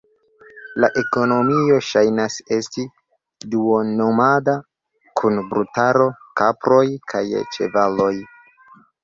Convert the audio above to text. La ekonomio ŝajnas esti duon-nomada, kun brutaro, kaproj kaj ĉevaloj.